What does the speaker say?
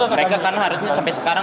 mereka karena harusnya sampai sekarang